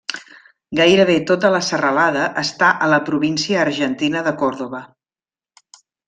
Gairebé tota la serralada està a la província argentina de Córdoba.